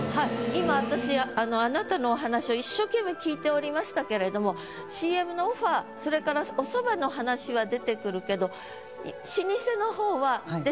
今私あなたのお話を一生懸命聞いておりましたけれどもＣＭのオファーそれからお蕎麦の話は出てくるけど老舗の方は出てこないと。